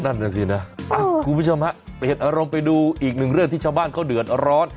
พี่ผู้ชมฮะเตรียดอารมณ์ไปดูอีกหนึ่งเรื่องที่ชาวบ้านเขาเดือนร้อน